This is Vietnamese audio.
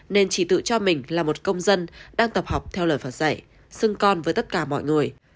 nên chỉ tự cho mình là một công dân đang tập học theo lời phật dạy xưng con với tất cả mọi người